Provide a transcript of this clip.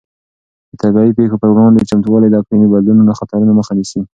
د طبیعي پېښو پر وړاندې چمتووالی د اقلیمي بدلون د خطرونو مخه نیسي.